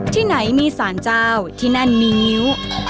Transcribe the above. ที่ไหนมีสารเจ้าที่นั่นมีงิ้ว